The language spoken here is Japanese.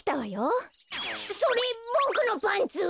それボクのパンツ！？